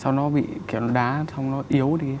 xong nó bị kiểu nó đá xong nó yếu ở đấy